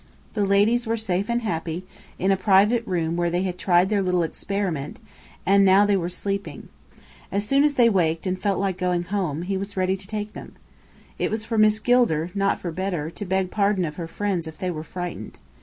The ladies were safe and happy, in a private room where they had tried their little experiment, and now they were sleeping. As soon as they waked and felt like going home, he was ready to take them. It was for Miss Gilder, not for Bedr, to beg pardon of her friends if they were frightened.